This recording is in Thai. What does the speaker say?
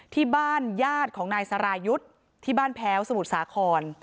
ที่บ้านญาติของนายสรายุทธ์ที่บ้านแพ้วสมุทรสาคร